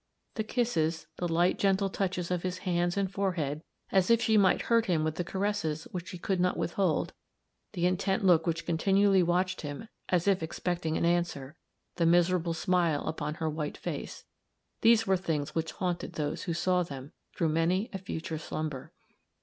The kisses; the light, gentle touches of his hands and forehead, as if she might hurt him with the caresses which she could not withhold; the intent look which continually watched him as if expecting an answer; the miserable smile upon her white face these were things which haunted those who saw them through many a future slumber.